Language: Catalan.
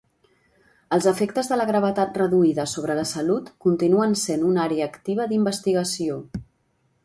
Els efectes de la gravetat reduïda sobre la salut continuen sent una àrea activa d'investigació.